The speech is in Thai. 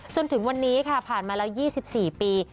จนถึงวันนี้ค่ะผ่านมาแล้ว๒๔ปี